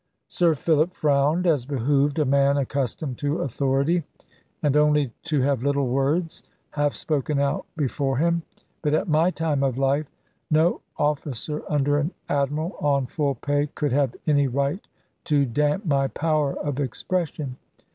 Sir Philip frowned, as behoved a man accustomed to authority, and only to have little words, half spoken out, before him. But at my time of life, no officer under an admiral on full pay, could have any right to damp my power of expression.